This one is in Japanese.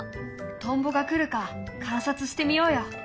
トンボが来るか観察してみようよ。